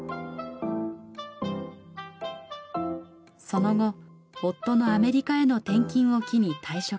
その後夫のアメリカへの転勤を機に退職。